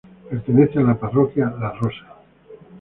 Pertenece a la Parroquia La Rosa.